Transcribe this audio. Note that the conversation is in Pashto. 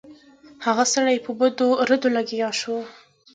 هغه سړی په بدو ردو لګیا شو.